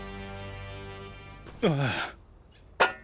ああ。